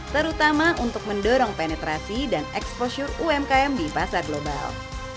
terutama untuk mendorong penetrasi dan exposure umkm di pasar global